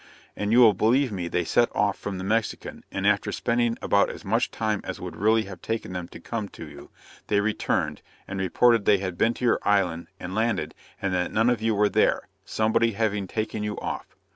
And you will believe me they set off from the Mexican, and after spending about as much time as would really have taken them to come to you, they returned, and reported they had been to your island, and landed, and that none of you were there, somebody having taken you off!